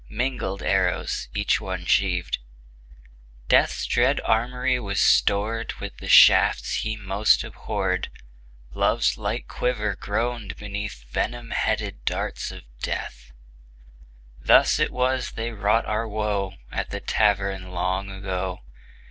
Mingled arrows each one sheaved; Death's dread armoury was stored With the shafts he most abhorred; Love's light quiver groaned beneath Venom headed darts of Death. Thus it was they wrought our woe At the Tavern long ago.